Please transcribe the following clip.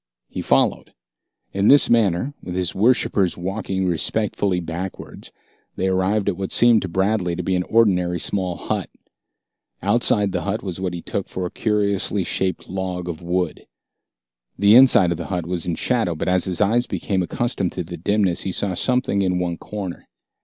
He followed. In this manner, with his worshippers walking respectfully backwards, they arrived at what seemed to Bradley to be an ordinary small hut. Outside the hut was what he took for a curiously shaped log of wood. The inside of the hut was in shadow, but as his eyes became accustomed to the dimness, he saw something in one corner.